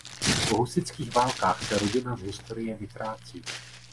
Po husitských válkách se rodina z historie vytrácí.